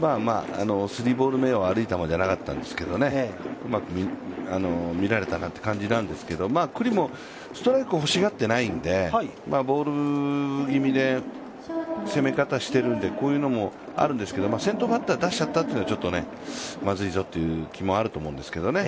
スリーボール目は悪い球じゃなかったんですけど、うまく見られたなという感じだったんですけど、九里もストライクを欲しがっていないので、ボール気味の攻め方してるんで、こういうのもあるんですが先頭バッターを出しちゃったというのはちょっとまずいぞという気もあるとおもうんですけどね。